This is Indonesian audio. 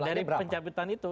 nah dari pencabutan itu